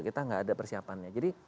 kita nggak ada persiapannya jadi